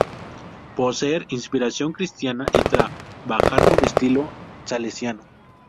Poseer inspiración cristiana, y trabajar con estilo salesiano.